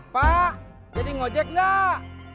pak jadi ojak nggak